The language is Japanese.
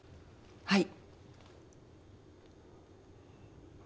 はい。